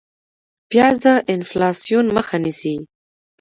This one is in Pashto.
پیاز د انفلاسیون مخه نیسي